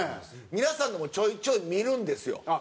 皆さんのもちょいちょい見るんですよ